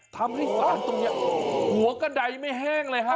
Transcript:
สารตรงนี้หัวกระดายไม่แห้งเลยฮะ